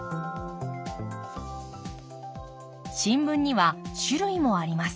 新聞には種類もあります。